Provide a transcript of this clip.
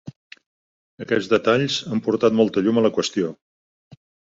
Aquests detalls han portat molta llum a la qüestió.